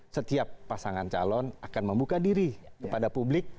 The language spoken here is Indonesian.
setiap pasangan calon akan membuka diri kepada publik